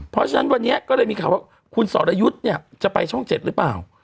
เพราะฉะนั้นวันนี้ก็เลยมีข่าวว่าคุณสรยุทธ์เนี่ยจะไปช่อง๗หรือเปล่า